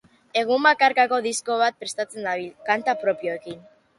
Egun bakarkako disko bat prestatzen dabil, kanta propioekin.